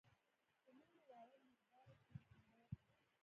په نورو واړه مواردو کې مصنوعیت و.